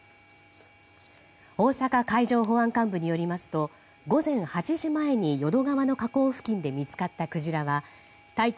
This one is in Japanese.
大阪海上保安監部によりますと午前８時前に淀川の河口付近で見つかったクジラは体長